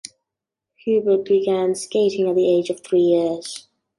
Hubert began skating at the age of three years.